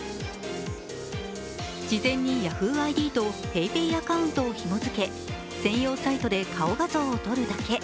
事前にＹａｈｏｏ！ＩＤとＰａｙＰａｙアカウントをひもづけ、専用サイトで顔画像を撮るだけ。